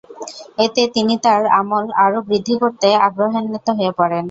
এতে তিনি তাঁর আমল আরো বৃদ্ধি করতে আগ্রহান্বিত হয়ে পড়েন।